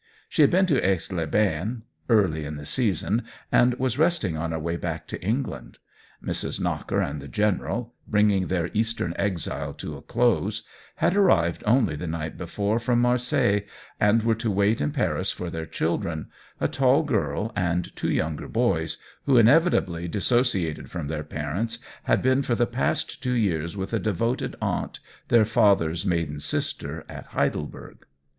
She had been to Aix les Bains early in the season, and was resting on her way back to England. Mrs. Knocker and the General, bringing their eastern exile to a close, had arrived only the night before from Marseilles, and were to wait in Paris for their children, a tall girl and two younger boys, who, inevitably dis sociated from their parents, had been for the past two years with a devoted aunt, their father's maiden sister, at Heidelberg.